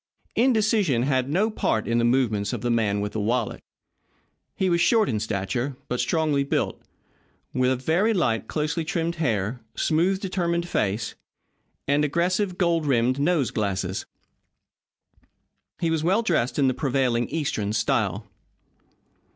Indecision had no part in the movements of the man with the wallet. He was short in stature, but strongly built, with very light, closely trimmed hair, smooth, determined face, and aggressive, gold rimmed nose glasses. He was well dressed in the prevailing Eastern style.